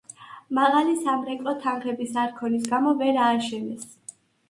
მაღალი სამრეკლო თანხების არქონის გამო ვერ ააშენეს.